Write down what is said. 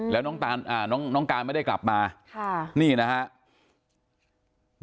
แล้วน้องตาลอ่าน้องน้องการไม่ได้กลับมาค่ะนี่นะฮะ